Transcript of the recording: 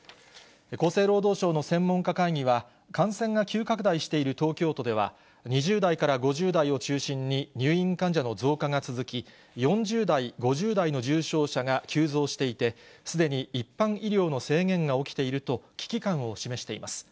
厚生労働省の専門家会議は、感染が急拡大している東京都では、２０代から５０代を中心に入院患者の増加が続き、４０代、５０代の重症者が急増していて、すでに一般医療の制限が起きていると、危機感を示しています。